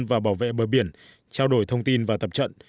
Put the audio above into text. và bảo vệ bờ biển trao đổi thông tin và tập trận